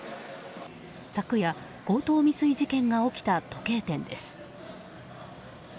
昨夜、強盗未遂事件が起きた時計店です。